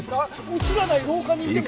うつらない廊下にいても